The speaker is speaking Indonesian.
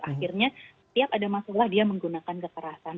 akhirnya setiap ada masalah dia menggunakan kekerasan